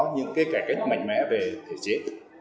những cái cải cách mạnh mẽ về thể chế